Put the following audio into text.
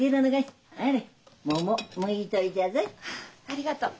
ありがとう。